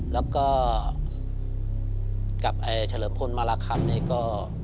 แล้วก็กับไอ้เฉลิมคนมาราคัมนี่ก็